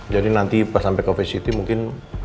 jadi nanti pas sampai covet city mungkin